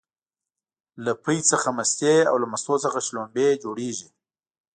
له پی څخه مستې او له مستو څخه شلومبې جوړيږي